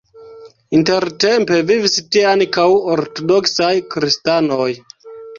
Intertempe vivis tie ankaŭ ortodoksaj kristanoj.